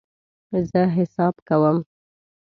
زه حساب کوم